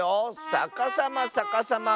さかさまさかさま！